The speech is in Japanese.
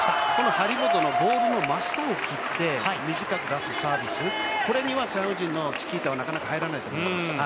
張本のボールの真下を切って短く出すサービス、これにはチャン・ウジンのチキータはなかなか入らないと思います。